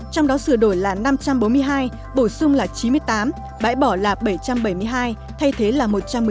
trong đó sửa đổi là năm trăm bốn mươi hai bổ sung là chín mươi tám bãi bỏ là bảy trăm bảy mươi hai thay thế là một trăm một mươi